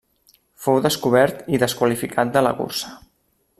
Fou descobert i desqualificat de la cursa.